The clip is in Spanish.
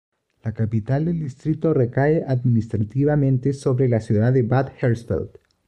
La capital del distrito recae administrativamente sobre la ciudad de Bad Hersfeld.